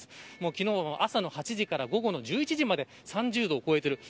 昨日は朝の８時から午後の１１時まで３０度を超えている。